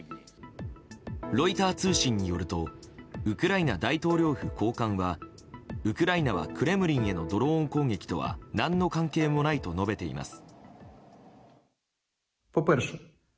ロイター通信によるとウクライナ大統領府高官はウクライナはクレムリンへのドローン攻撃とは何の関係もないと述べています。